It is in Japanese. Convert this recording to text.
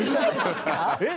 えっ？